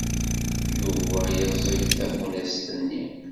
Yuba yeẓẓeg tafunast-nni.